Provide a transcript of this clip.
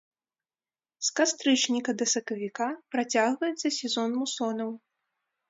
З кастрычніка да сакавіка працягваецца сезон мусонаў.